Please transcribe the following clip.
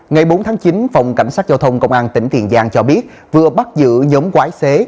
ngày bốn tháng chín phòng cảnh sát giao thông công an tỉnh tiền giang cho biết vừa bắt giữ nhóm quái xế